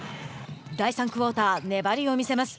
第３クオーター粘りを見せます。